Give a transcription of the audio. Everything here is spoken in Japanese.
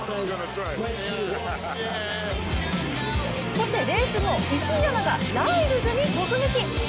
そしてレース後石井アナがライルズに直撃。